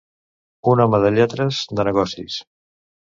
Un home de lletres, de negocis.